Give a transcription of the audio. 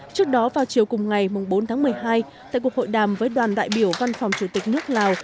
trước đó vào chiều cùng ngày bốn tháng một mươi hai tại cuộc hội đàm với đoàn đại biểu văn phòng chủ tịch nước lào